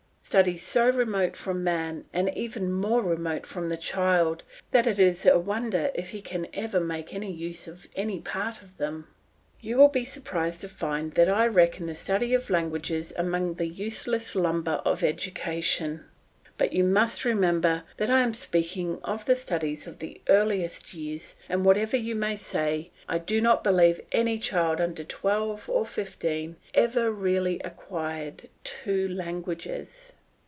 studies so remote from man, and even more remote from the child, that it is a wonder if he can ever make any use of any part of them. You will be surprised to find that I reckon the study of languages among the useless lumber of education; but you must remember that I am speaking of the studies of the earliest years, and whatever you may say, I do not believe any child under twelve or fifteen ever really acquired two languages.